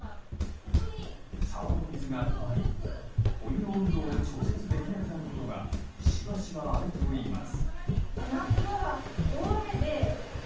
沢の水が止まり、お湯の温度を調節できなくなることがしばしばあるといいます。